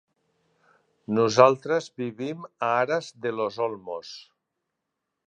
Nosaltres vivim a Aras de los Olmos.